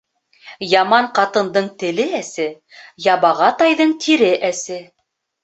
Яман ҡатындың теле әсе, ябаға тайҙың тире әсе.